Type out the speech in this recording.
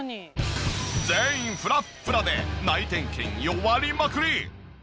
全員フラッフラで内転筋弱りまくり！